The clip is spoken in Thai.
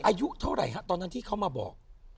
อายุเท่าไหร่ฮะตอนนั้นที่เขามาบอก